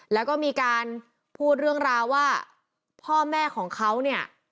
แล้วก็มีการพูดเรื่องราวว่าพ่อแม่ของเขาเนี่ย